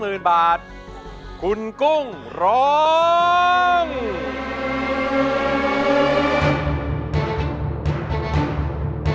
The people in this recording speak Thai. ไม่ทำได้ไม่ทำได้